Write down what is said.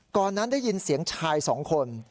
ก่อนนั้นได้ยินเสียงชายสองคน